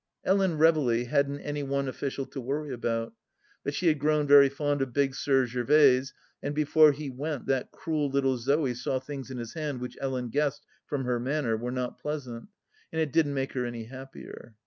Ellen Reveley hadn't any one official to worry about, but she had grown very fond of Big Sir Gervaise, and before he went that cruel little Zoe saw things in his hand which Ellen guessed, from her manner, were not pleasant, and it didn't make her any happier.